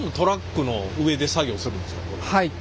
はい。